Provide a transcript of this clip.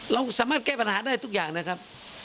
เราสามารถแก้ปัญหาได้ทุกอย่างนะครับ